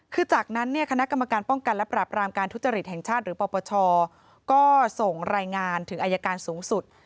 คือจากนั้นเนี่ยคณะกรรมการป้องกันและปรับรามการทุจริตแห่งชาติหรือปปชก็ส่งรายงานถึงอายการสูงสุด